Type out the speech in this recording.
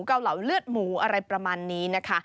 เกาเหลาเลือดหมูอะไรประมาณนี้นะคะ